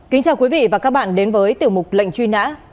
kính chào quý vị và các bạn đến với tiểu mục lệnh truy nã